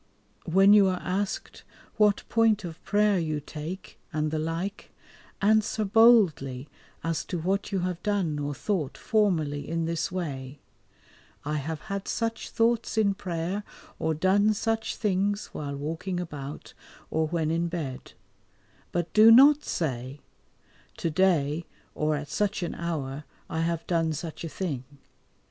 When you are asked what point of prayer you take, and the like, answer boldly as to what you have done or thought formerly in this way: "I have had such thoughts in prayer or done such things while walking about, or when in bed"; but do not say: "To day, or at such an hour, I have done such a thing."